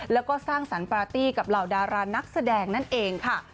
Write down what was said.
แล้วก็สร้างสรรค์ปาร์ตี้กับเหล่าดารานักแสดงนั่นเองค่ะ